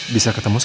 bisa ketemu sa